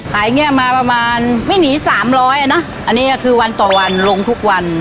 อย่างนี้มาประมาณไม่หนีสามร้อยอ่ะนะอันนี้ก็คือวันต่อวันลงทุกวัน